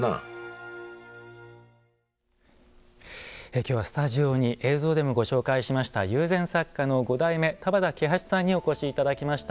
今日はスタジオに映像でもご紹介しました友禅作家の５代目田畑喜八さんにお越しいただきました。